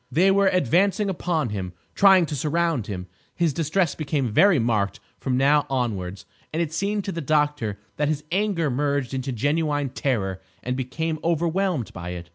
They were advancing upon him, trying to surround him. His distress became very marked from now onwards, and it seemed to the doctor that his anger merged into genuine terror and became overwhelmed by it.